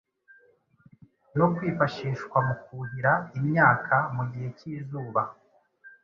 no kwifashishwa mu kuhira imyaka mu gihe k’izuba.